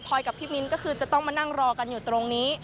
พอยกับพี่มิ้นก็คือจะต้องมานั่งรอกันอยู่ตรงนี้